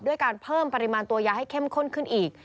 การเพิ่มปริมาณตัวยาให้เข้มข้นขึ้นอีก